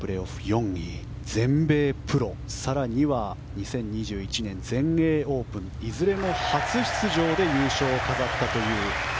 ４位全米プロ更には２０２１年、全英オープンいずれも初出場で優勝を飾ったという。